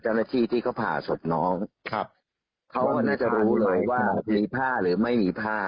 เจ้าหน้าที่ที่เขาผ่าศพน้องครับเขาก็น่าจะรู้เลยว่ามีผ้าหรือไม่มีผ้า